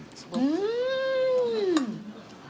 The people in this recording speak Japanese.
うん！